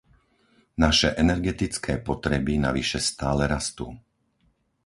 Naše energetické potreby navyše stále rastú.